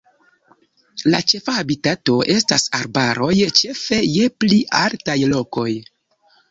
La ĉefa habitato estas arbaroj, ĉefe je pli altaj lokoj.